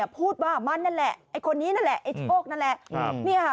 พูดว่ามันนั่นแหละไอ้คนนี้นั่นแหละไอ้โชคนั่นแหละ